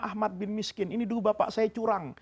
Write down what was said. ahmad bin miskin ini dulu bapak saya curang